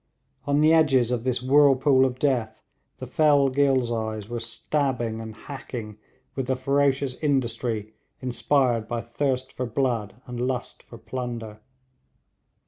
On the edges of this whirlpool of death the fell Ghilzais were stabbing and hacking with the ferocious industry inspired by thirst for blood and lust for plunder.